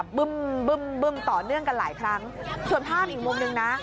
บึ้มบึ้มบึ้มต่อเนื่องกันหลายครั้งส่วนภาพอีกมุมหนึ่งนะ